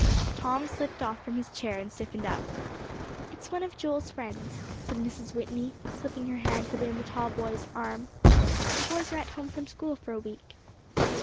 Tom slipped off from his chair and stiffened up. "It's one of Joel's friends," said Mrs. Whitney, slipping her hand within the tall boy's arm. "The boys are at home from school for a week."